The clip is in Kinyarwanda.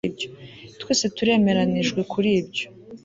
Twese turemeranijwe kuri ibyo